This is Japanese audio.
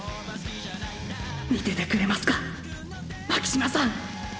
見ててくれますか巻島さん！！